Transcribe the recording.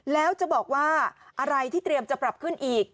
แล้วจะบอกว่าอะไรที่เตรียมจะปรับขึ้นอีก